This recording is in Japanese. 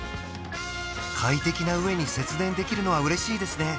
快適なうえに節電できるのは嬉しいですね